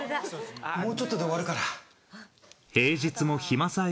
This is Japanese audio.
もうちょっとで終わるから。